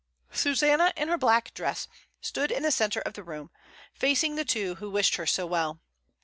Susanna, in her black dress, stood in the centre of the room, facing the two who wished her so well.